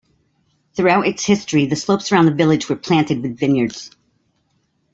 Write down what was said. Throughout its history, the slopes around the village were planted with vineyards.